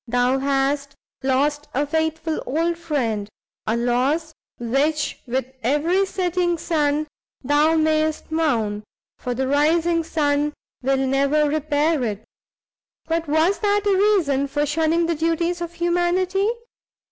Thou hast lost a faithful old friend, a loss which with every setting sun thou mayst mourn, for the rising sun will never repair it! but was that a reason for shunning the duties of humanity?